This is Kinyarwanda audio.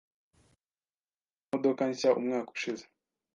Naguze imodoka nshya umwaka ushize.